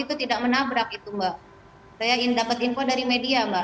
itu tidak menabrak itu mbak saya ingin dapat info dari media mbak